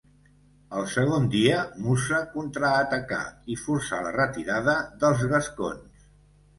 En el segon dia Mussa contraatacà i forçà la retirada dels gascons.